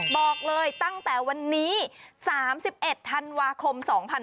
บอกเลยตั้งแต่วันนี้๓๑ธันวาคม๒๕๖๒